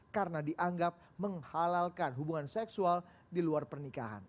karena dianggap menghalalkan hubungan seksual di luar pernikahan